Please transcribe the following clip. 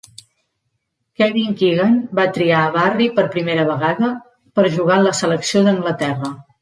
Kevin Keegan va triar a Barry per primera vegada per a jugar en la selecció d'Anglaterra.